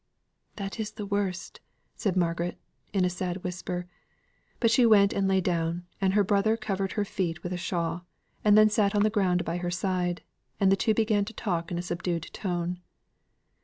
"That is the worst," said Margaret, in a sad whisper. But she went and lay down, and her brother covered her feet with a shawl and then sate on the ground by her side; and the two began to talk together in a subdued tone.